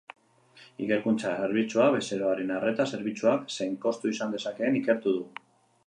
Ikerkuntza zerbitzuak bezeroaren arreta zerbitzuak zein kostu izan dezakeen ikertu du.